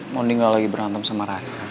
mondi gak lagi berantem sama raya